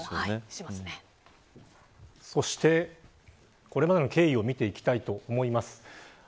そして、これまでの経緯を見ていきたいと思います。